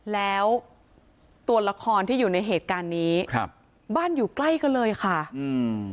แล้วตัวละครที่อยู่ในเหตุการณ์นี้ครับบ้านอยู่ใกล้กันเลยค่ะอืม